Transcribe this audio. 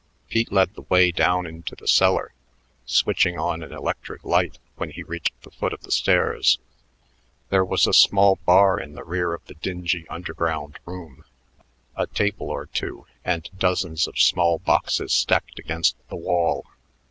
Pete led the way down into the cellar, switching on an electric light when he reached the foot of the stairs. There was a small bar in the rear of the dingy, underground room, a table or two, and dozens of small boxes stacked against the wall.